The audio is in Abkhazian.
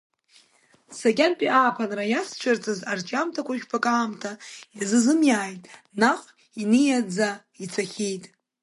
Сакьантәи ааԥынра иаццәырҵыз арҿиамҭақәа жәпакы аамҭа изазымиааит, наҟ иниаӡаа ицахьеит.